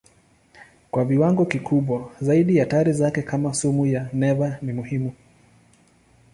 Kwa viwango kikubwa zaidi hatari zake kama sumu ya neva ni muhimu.